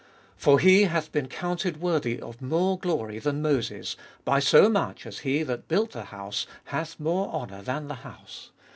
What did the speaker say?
For He hath been counted worthy of more glory than Moses, by so much as he that built the house hath more honour than the house.